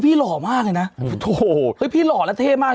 พี่อะไรพี่เจอ่ะอะว่ะ